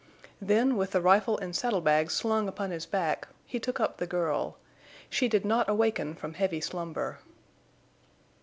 Then, with the rifle and saddle bags slung upon his back, he took up the girl. She did not awaken from heavy slumber.